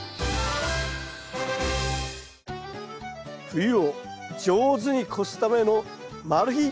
冬を上手に越すためのマル秘